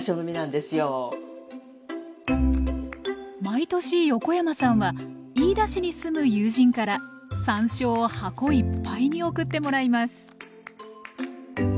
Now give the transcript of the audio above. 毎年横山さんは飯田市に住む友人から山椒を箱いっぱいに送ってもらいます